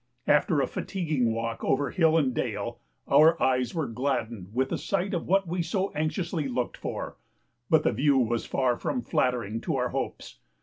After a fatiguing walk over hill and dale, our eyes were gladdened with a sight of what we so anxiously looked for, but the view was far from flattering to our hopes.